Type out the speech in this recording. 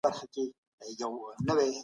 غیر صحي خواړه ټیټ مغذي مواد لري.